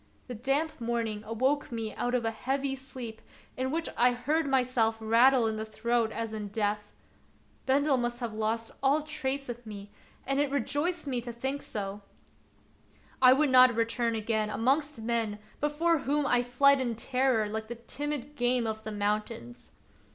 The damp morning awoke me out of a heavy sleep in which I heard myself rattle in the throat as in death. Bendel must have lost all trace of me, and it rejoiced me to think so. I would not return again amongst men before whom I fled in terror like the timid game of the moun tains.